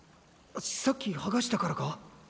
さっきはがしたからか？